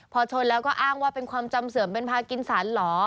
พอชนแล้วก็อ้างว่าเป็นความจำเสื่อมเป็นพากินสันเหรอ